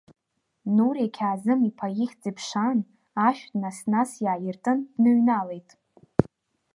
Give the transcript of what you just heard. Нури Қьаазым-иԥа ихьӡ иԥшаан, ашә днаснас иааиртын, дныҩналеит.